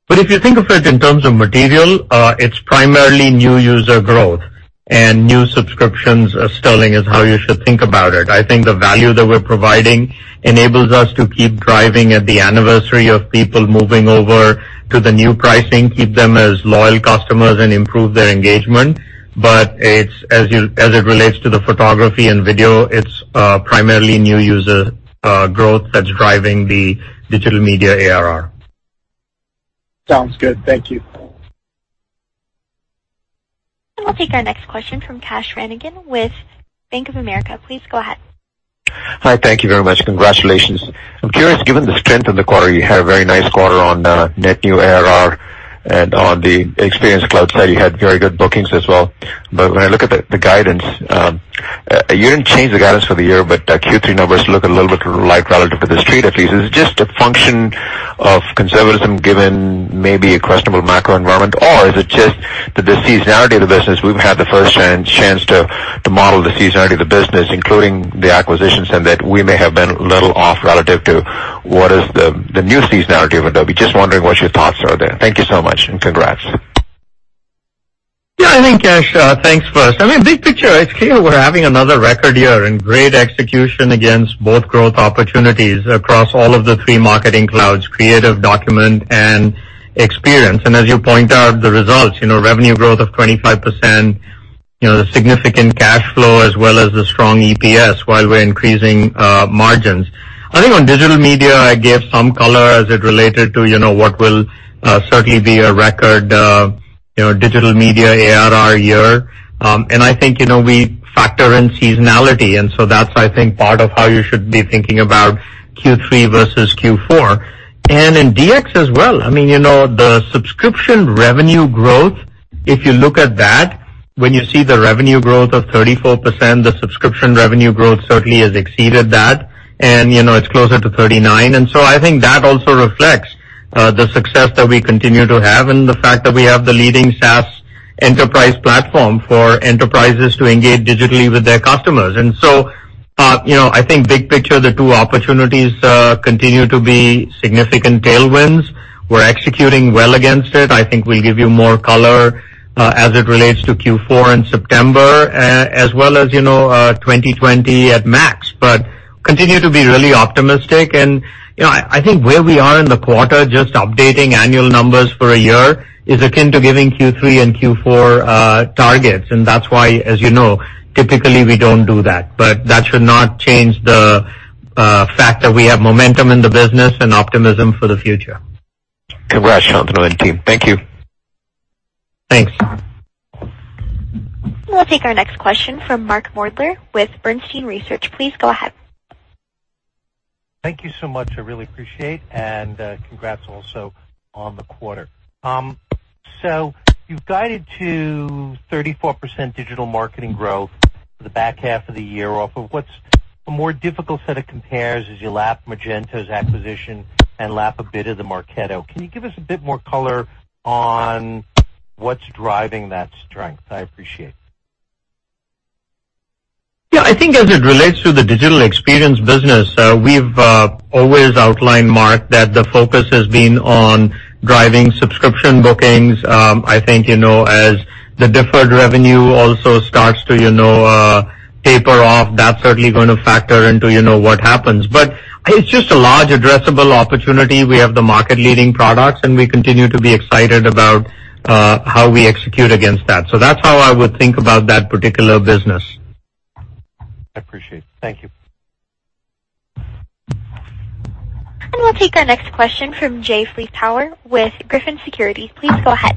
If you think of it in terms of material, it's primarily new user growth and new subscriptions, Sterling, is how you should think about it. I think the value that we're providing enables us to keep driving at the anniversary of people moving over to the new pricing, keep them as loyal customers, and improve their engagement. As it relates to the photography and video, it's primarily new user growth that's driving the Digital Media ARR. Sounds good. Thank you. We'll take our next question from Kash Rangan with Bank of America. Please go ahead. Hi. Thank you very much. Congratulations. I'm curious, given the strength in the quarter, you had a very nice quarter on net new ARR and on the Experience Cloud side, you had very good bookings as well. When I look at the guidance, you didn't change the guidance for the year, but Q3 numbers look a little bit light relative to the street. Is this just a function of conservatism given maybe a questionable macro environment, or is it just that the seasonality of the business, we've had the first chance to model the seasonality of the business, including the acquisitions, and that we may have been a little off relative to what is the new seasonality of Adobe? Just wondering what your thoughts are there. Thank you so much, and congrats. I think, Kash, thanks first. I mean, big picture, it's clear we're having another record year and great execution against both growth opportunities across all of the three marketing clouds, Creative, Document, and Experience. As you point out the results, revenue growth of 25%, the significant cash flow as well as the strong EPS while we're increasing margins. I think on Digital Media, I gave some color as it related to what will certainly be a record Digital Media ARR year. I think we factor in seasonality, that's I think part of how you should be thinking about Q3 versus Q4. In DX as well, I mean, the subscription revenue growth, if you look at that, when you see the revenue growth of 34%, the subscription revenue growth certainly has exceeded that, and it's closer to 39. I think that also reflects the success that we continue to have and the fact that we have the leading SaaS enterprise platform for enterprises to engage digitally with their customers. I think big picture, the two opportunities continue to be significant tailwinds. We're executing well against it. I think we'll give you more color as it relates to Q4 in September as well as 2020 at Adobe MAX, continue to be really optimistic. I think where we are in the quarter, just updating annual numbers for a year is akin to giving Q3 and Q4 targets. That's why, as you know, typically we don't do that. That should not change the fact that we have momentum in the business and optimism for the future. Congrats, Shantanu and team. Thank you. Thanks. We'll take our next question from Mark Moerdler with Bernstein Research. Please go ahead. Thank you so much. I really appreciate, and congrats also on the quarter. You've guided to 34% digital marketing growth for the back half of the year off of what's a more difficult set of compares as you lap Magento's acquisition and lap a bit of the Marketo. Can you give us a bit more color on what's driving that strength? I appreciate it. Yeah. I think as it relates to the Digital Experience business, we've always outlined, Mark, that the focus has been on driving subscription bookings. I think as the deferred revenue also starts to taper off, that's certainly going to factor into what happens. It's just a large addressable opportunity. We have the market leading products, and we continue to be excited about how we execute against that. That's how I would think about that particular business. I appreciate it. Thank you. We'll take our next question from Jay Vleeschhouwer with Griffin Securities. Please go ahead.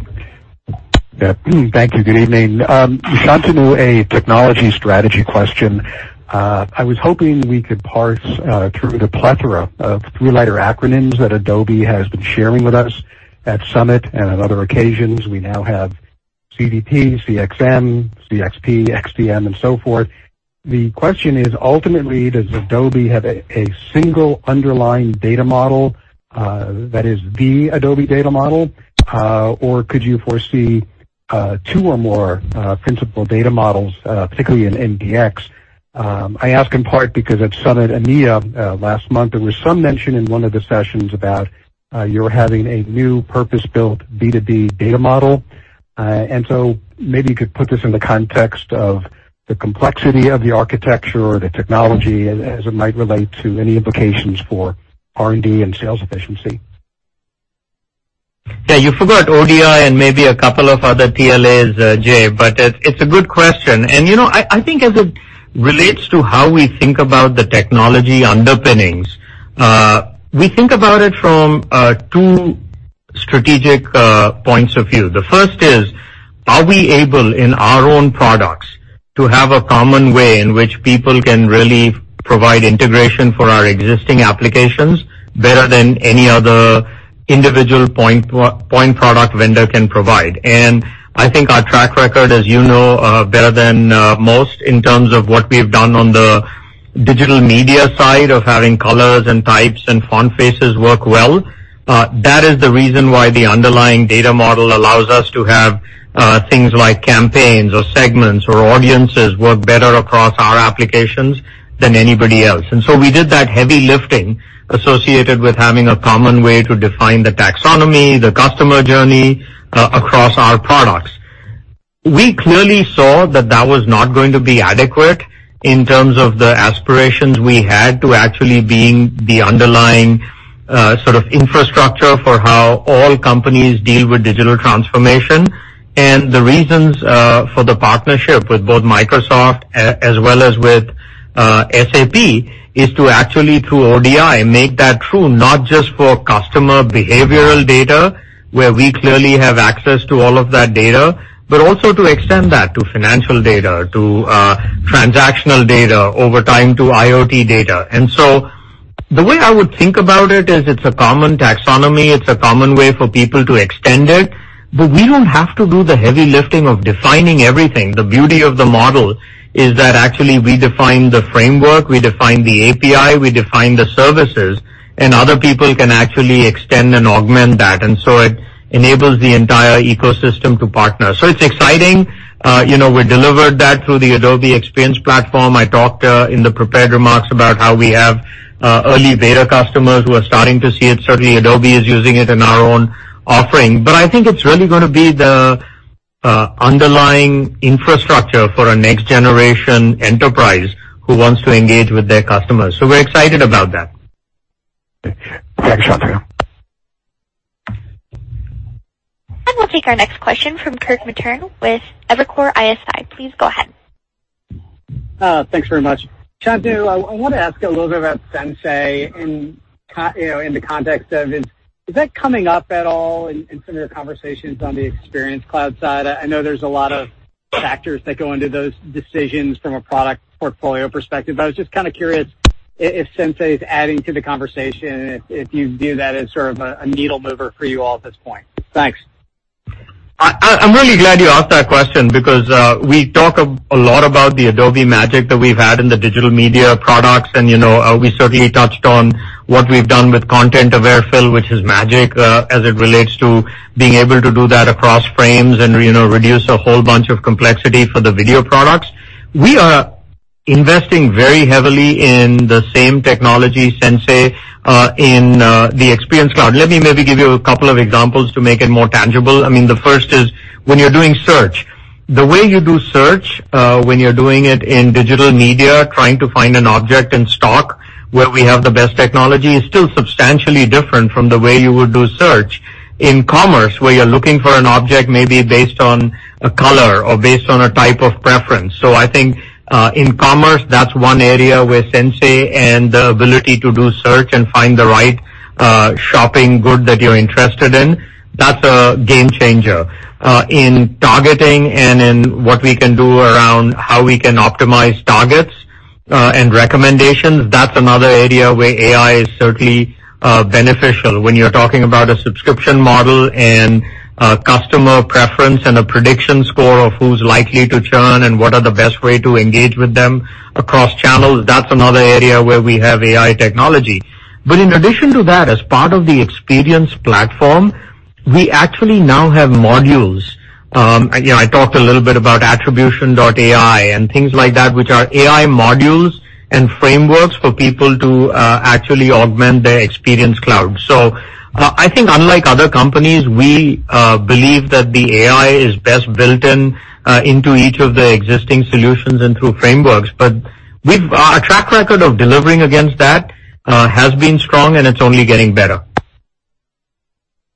Thank you. Good evening. Shantanu, a technology strategy question. I was hoping we could parse through the plethora of three-letter acronyms that Adobe has been sharing with us at Adobe Summit and on other occasions. We now have CDP, CXM, CXP, XDM, and so forth. The question is, ultimately, does Adobe have a single underlying data model that is the Adobe data model? Or could you foresee two or more principal data models, particularly in DX? I ask in part because at Adobe Summit EMEA last month, there was some mention in one of the sessions about you're having a new purpose-built B2B data model. Maybe you could put this in the context of the complexity of the architecture or the technology as it might relate to any implications for R&D and sales efficiency. You forgot ODI and maybe a couple of other TLAs, Jay, it's a good question. I think as it relates to how we think about the technology underpinnings, we think about it from two strategic points of view. The first is, are we able, in our own products, to have a common way in which people can really provide integration for our existing applications better than any other individual point product vendor can provide? I think our track record, as you know better than most in terms of what we've done on the Digital Media side of having colors and types and font faces work well, that is the reason why the underlying data model allows us to have things like campaigns or segments or audiences work better across our applications than anybody else. We did that heavy lifting associated with having a common way to define the taxonomy, the customer journey, across our products. We clearly saw that that was not going to be adequate in terms of the aspirations we had to actually being the underlying sort of infrastructure for how all companies deal with digital transformation. The reasons for the partnership with both Microsoft as well as with SAP is to actually, through ODI, make that true, not just for customer behavioral data, where we clearly have access to all of that data, also to extend that to financial data, to transactional data over time, to IoT data. The way I would think about it is it's a common taxonomy, it's a common way for people to extend it, we don't have to do the heavy lifting of defining everything. The beauty of the model is that actually we define the framework, we define the API, we define the services, other people can actually extend and augment that. It enables the entire ecosystem to partner. It's exciting. We delivered that through the Adobe Experience Platform. I talked in the prepared remarks about how we have early beta customers who are starting to see it. Certainly, Adobe is using it in our own offering. I think it's really going to be the underlying infrastructure for a next-generation enterprise who wants to engage with their customers. We're excited about that. Thanks, Shantanu. We'll take our next question from Kirk Materne with Evercore ISI. Please go ahead. Thanks very much. Shantanu, I want to ask you a little bit about Sensei in the context of, is that coming up at all in some of your conversations on the Experience Cloud side? I know there's a lot of factors that go into those decisions from a product portfolio perspective, I was just kind of curious if Sensei is adding to the conversation and if you view that as sort of a needle mover for you all at this point. Thanks. I'm really glad you asked that question because we talk a lot about the Adobe magic that we've had in the Digital Media products, and we certainly touched on what we've done with Content-Aware Fill, which is magic, as it relates to being able to do that across frames and reduce a whole bunch of complexity for the video products. We are investing very heavily in the same technology, Sensei, in the Experience Cloud. Let me maybe give you a couple of examples to make it more tangible. The first is when you're doing search. The way you do search when you're doing it in Digital Media, trying to find an object in stock where we have the best technology, is still substantially different from the way you would do search in commerce, where you're looking for an object maybe based on a color or based on a type of preference. I think in commerce, that's one area where Sensei and the ability to do search and find the right shopping good that you're interested in, that's a game changer. In targeting and in what we can do around how we can optimize targets and recommendations, that's another area where AI is certainly beneficial. When you're talking about a subscription model and a customer preference and a prediction score of who's likely to churn and what are the best way to engage with them across channels, that's another area where we have AI technology. In addition to that, as part of the Experience Platform, we actually now have modules. I talked a little bit about Attribution AI and things like that, which are AI modules and frameworks for people to actually augment their Experience Cloud. I think unlike other companies, we believe that the AI is best built in into each of the existing solutions and through frameworks. Our track record of delivering against that has been strong, and it's only getting better.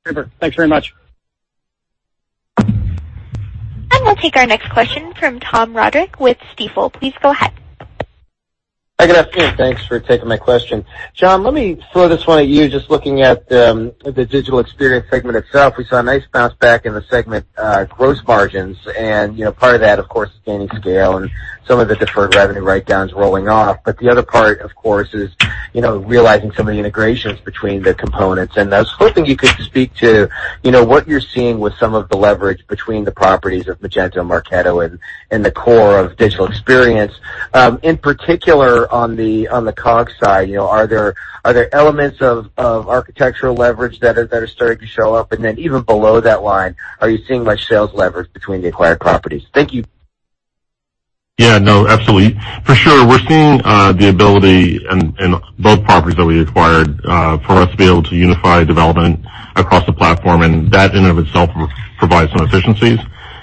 Super. Thanks very much. We'll take our next question from Thomas Roderick with Stifel. Please go ahead. Hi, good afternoon. Thanks for taking my question. John, let me throw this one at you. Just looking at the Digital Experience segment itself, we saw a nice bounce back in the segment gross margins, part of that, of course, is gaining scale and some of the deferred revenue write-downs rolling off. The other part, of course, is realizing some of the integrations between the components. I was hoping you could speak to what you're seeing with some of the leverage between the properties of Magento and Marketo and the core of Digital Experience. In particular, on the cog side, are there elements of architectural leverage that are starting to show up? Even below that line, are you seeing much sales leverage between the acquired properties? Thank you. Absolutely. For sure, we're seeing the ability in both properties that we acquired for us to be able to unify development across the platform, that in and of itself provides some efficiencies.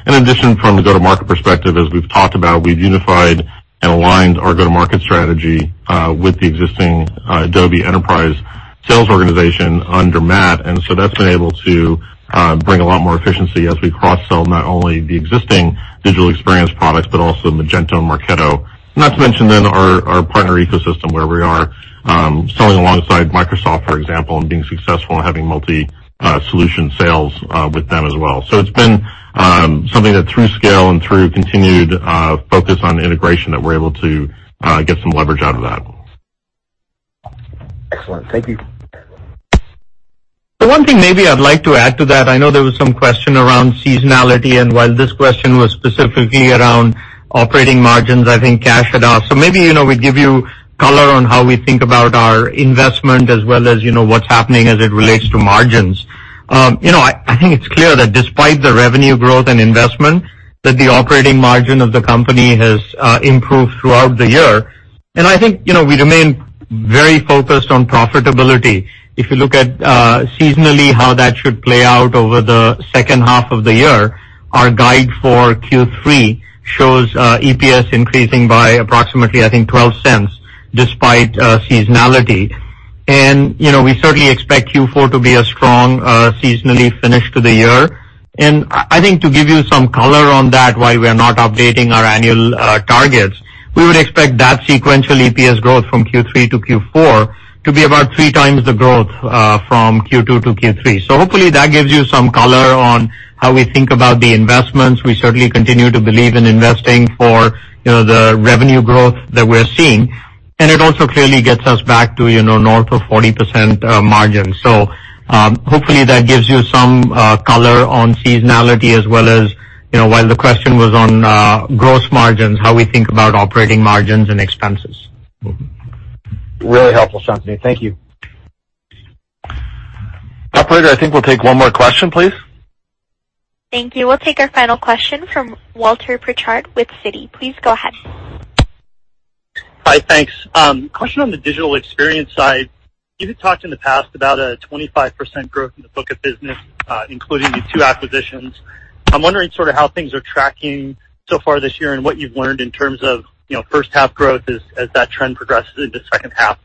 In addition, from the go-to-market perspective, as we've talked about, we've unified and aligned our go-to-market strategy with the existing Adobe enterprise sales organization under Matt. That's been able to bring a lot more efficiency as we cross-sell not only the existing Digital Experience products, but also Magento and Marketo. Not to mention our partner ecosystem, where we are selling alongside Microsoft, for example, and being successful and having multi-solution sales with them as well. It's been something that through scale and through continued focus on integration, that we're able to get some leverage out of that. Excellent. Thank you. The one thing maybe I'd like to add to that, I know there was some question around seasonality, while this question was specifically around operating margins, I think Kash had asked. Maybe we give you color on how we think about our investment as well as what's happening as it relates to margins. I think it's clear that despite the revenue growth and investment, that the operating margin of the company has improved throughout the year. I think, we remain very focused on profitability. If you look at seasonally how that should play out over the second half of the year, our guide for Q3 shows EPS increasing by approximately, I think, $0.12 despite seasonality. We certainly expect Q4 to be a strong seasonally finish to the year. I think to give you some color on that, why we're not updating our annual targets, we would expect that sequential EPS growth from Q3 to Q4 to be about 3 times the growth from Q2 to Q3. Hopefully that gives you some color on how we think about the investments. We certainly continue to believe in investing for the revenue growth that we're seeing. It also clearly gets us back to north of 40% margins. Hopefully that gives you some color on seasonality as well as, while the question was on gross margins, how we think about operating margins and expenses. Really helpful, Shantanu. Thank you. Operator, I think we'll take one more question, please. Thank you. We'll take our final question from Walter Pritchard with Citi. Please go ahead. Hi, thanks. Question on the Digital Experience side. You had talked in the past about a 25% growth in the book of business, including the two acquisitions. I'm wondering sort of how things are tracking so far this year and what you've learned in terms of first half growth as that trend progresses into second half.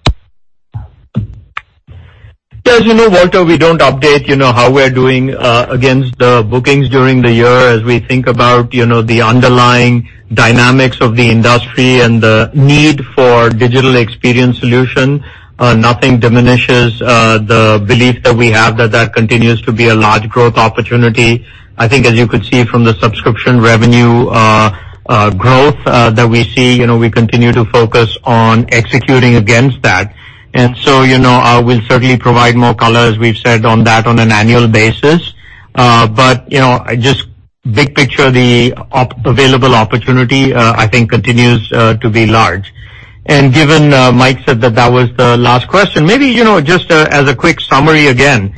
Yeah, as you know, Walter, we don't update how we're doing against the bookings during the year as we think about the underlying dynamics of the industry and the need for Digital Experience solution. Nothing diminishes the belief that we have that that continues to be a large growth opportunity. I think as you could see from the subscription revenue growth that we see, we continue to focus on executing against that. We'll certainly provide more color, as we've said, on that on an annual basis. Just big picture, the available opportunity, I think continues to be large. Given Mike said that that was the last question, maybe just as a quick summary again,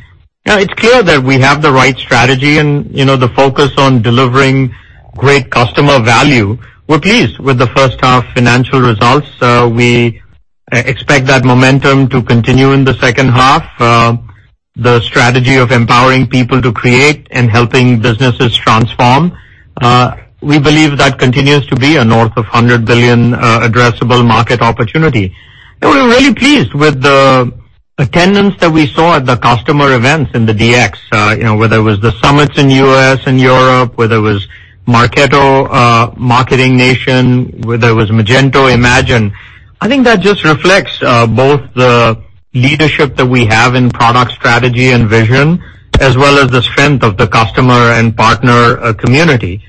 it's clear that we have the right strategy and the focus on delivering great customer value. We're pleased with the first half financial results. We expect that momentum to continue in the second half. The strategy of empowering people to create and helping businesses transform, we believe that continues to be a north of $100 billion addressable market opportunity. We're really pleased with the attendance that we saw at the customer events in the DX, whether it was the summits in U.S. and Europe, whether it was Marketo, Marketing Nation, whether it was Magento Imagine. I think that just reflects both the leadership that we have in product strategy and vision, as well as the strength of the customer and partner community.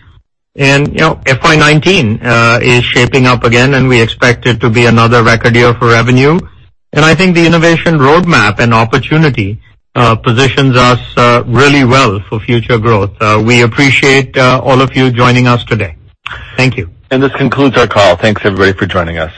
FY 2019 is shaping up again, we expect it to be another record year for revenue. I think the innovation roadmap and opportunity positions us really well for future growth. We appreciate all of you joining us today. Thank you. This concludes our call. Thanks everybody for joining us.